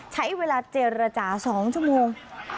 ใช้เวลาเจรจา๒ชั่วโมง